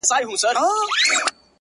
کله زيات او کله کم درپسې ژاړم’